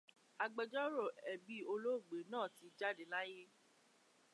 Agbẹjọ́rò ẹbí olóògbé náà ti jáde láyé.